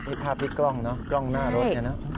นี่ภาพที่กล้องเนอะกล้องหน้ารถเนี่ยนะ